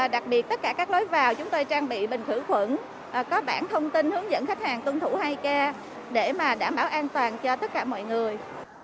đặc biệt tất cả các lối vào chúng tôi trang bị bình khử khuẩn có bản thông tin hướng dẫn khách hàng tuân thủ hai k để đảm bảo an toàn cho tất cả mọi người